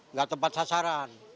nggak tepat sasaran